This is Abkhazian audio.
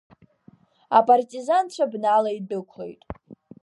Апартизанцәа бнала идәықәлеит.